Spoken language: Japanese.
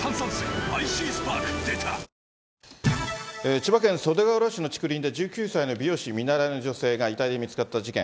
千葉県袖ケ浦市の竹林で、１９歳の美容師見習いの女性が遺体で見つかった事件。